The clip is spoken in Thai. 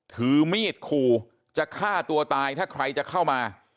ถือมีดขู่จะฆ่าตัวตายถ้าใครจะเข้ามา